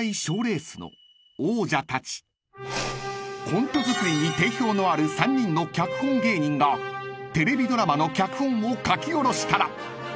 ［コントづくりに定評のある３人の脚本芸人がテレビドラマの脚本を書き下ろしたら］